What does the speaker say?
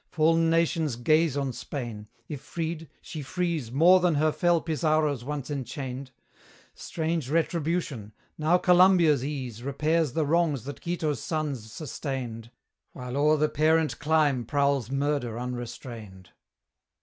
Fall'n nations gaze on Spain: if freed, she frees More than her fell Pizarros once enchained. Strange retribution! now Columbia's ease Repairs the wrongs that Quito's sons sustained, While o'er the parent clime prowls Murder unrestrained.